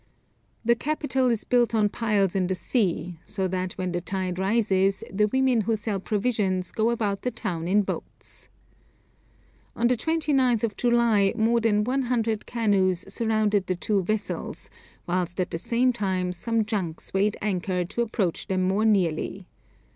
The capital is built on piles in the sea; so that when the tide rises, the women who sell provisions go about the town in boats. On the 29th of July more than 100 canoes surrounded the two vessels, whilst at the same time some junks weighed anchor to approach them more nearly.